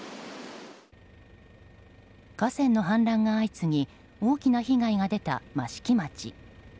河川の氾濫が相次ぎ大きな被害が出た益城町。